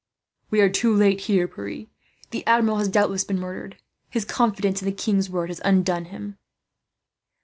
"We are too late here, Pierre. The Admiral has doubtless been murdered. His confidence in the king's word has undone him."